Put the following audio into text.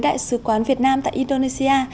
đại sứ quán việt nam tại indonesia